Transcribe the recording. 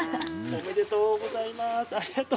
おめでとうございます。